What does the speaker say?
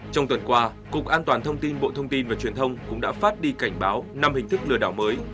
trong tuần qua cục an toàn thông tin bộ thông tin và truyền thông cũng đã phát đi cảnh báo năm hình thức lừa đảo mới